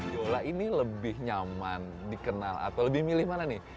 yola ini lebih nyaman dikenal atau lebih milih mana nih